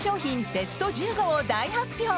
ベスト１５を大発表！